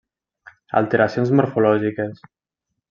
Alteracions morfològiques.